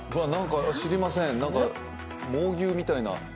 知りません、猛牛みたいな？